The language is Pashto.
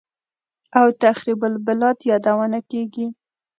او «تخریب البلاد» یادونه کېږي